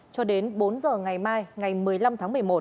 cho đến bốn giờ ngày mai ngày một mươi năm tháng một mươi một